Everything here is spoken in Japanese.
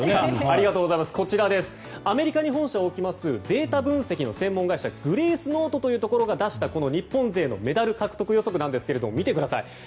アメリカに本社を置きますデータ分析の専門会社グレースノートというところが出した日本勢のメダル獲得予測ですが見てください。